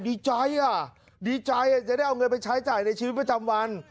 ดีใจอ่ะดีใจจะได้เอาเงินไปใช้จ่ายในชีวิตประจำวัน